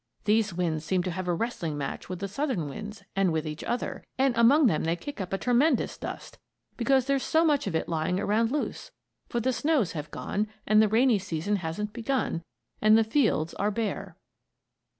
These winds seem to have a wrestling match with the southern winds and with each other, and among them they kick up a tremendous dust, because there's so much of it lying around loose; for the snows have gone, and the rainy season hasn't begun, and the fields are bare.